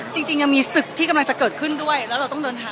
สวัสดีครับขออนุญาตถ้าใครถึงแฟนทีลักษณ์ที่เกิดอยู่แล้วค่ะ